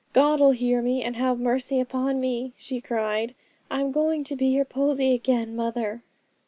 'God'll hear me and have mercy upon me,' she cried. 'I'm going to be your Posy again, mother!'